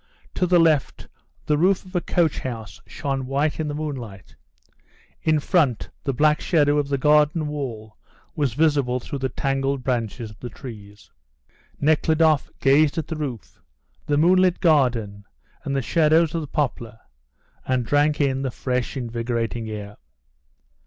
To the left the roof of a coach house shone white in the moonlight, in front the black shadow of the garden wall was visible through the tangled branches of the trees. Nekhludoff gazed at the roof, the moonlit garden, and the shadows of the poplar, and drank in the fresh, invigorating air.